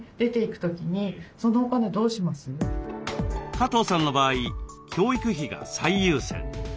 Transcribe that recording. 加藤さんの場合教育費が最優先。